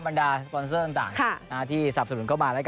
บรรดาสปอนเซอร์ต่างหน้าที่สับสนุนเข้ามาด้วยกัน